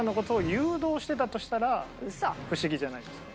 フシギじゃないですか？